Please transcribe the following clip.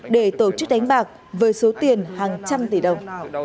để tổ chức đánh bạc với số tiền hàng trăm tỷ đồng